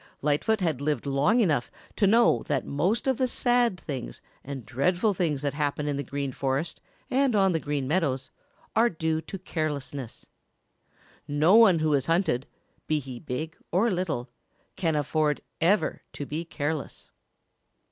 Lightfoot had lived long enough to know that most of the sad things and dreadful things that happen in the Green Forest and on the Green Meadows are due to carelessness. No one who is hunted, be he big or little, can afford ever to be careless.